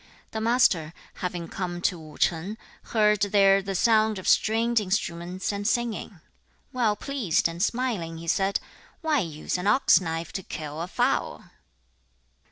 The Master, having come to Wu ch'ang, heard there the sound of stringed instruments and singing. 2. Well pleased and smiling, he said, 'Why use an ox knife to kill a fowl?'